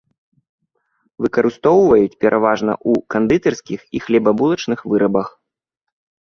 Выкарыстоўваюць пераважна ў кандытарскіх і хлебабулачных вырабах.